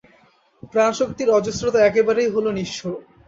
প্রাণশক্তির অজস্রতা একেবারেই হল নিঃস্ব।